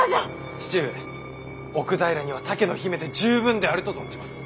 父上奥平には他家の姫で十分であると存じます。